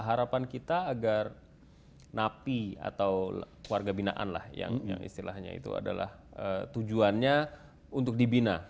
harapan kita agar napi atau warga binaan lah yang istilahnya itu adalah tujuannya untuk dibina